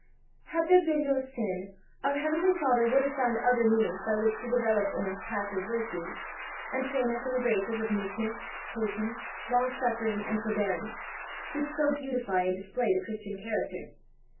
HAD there been no sin our Heavenly Father would have found other means by which to develop in us passive virtues, and train us in the graces of meekness, patience, long suffering, and forbearance, which so beautify and display the Christian character.